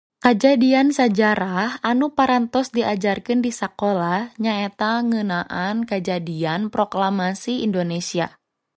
Kajadian sajarah anu parantos diajarkeun di sakola nyaeta ngeunaan kajadian proklamasi Indonesia.